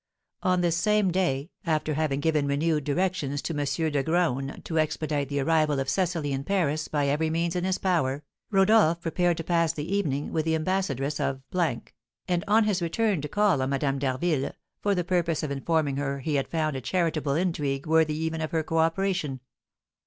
On this same day, after having given renewed directions to M. de Graün to expedite the arrival of Cecily in Paris by every means in his power, Rodolph prepared to pass the evening with the Ambassadress of , and on his return to call on Madame d'Harville, for the purpose of informing her he had found a charitable intrigue worthy even of her coöperation.